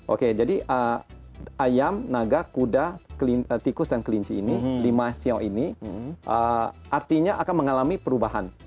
oke jadi ayam naga kuda tikus dan kelinci ini lima sio ini artinya akan mengalami perubahan